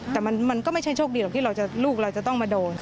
แต่มันก็ไม่ใช่โชคดีหรอกที่ลูกเราจะต้องมาโดน